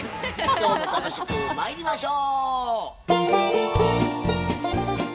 今日も楽しくまいりましょう！